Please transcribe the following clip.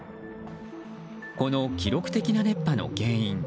この記録的な熱波の原因。